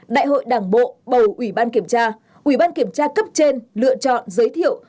đại hội đảng bộ bầu ủy ban kiểm tra ủy ban kiểm tra cấp trên lựa chọn giới thiệu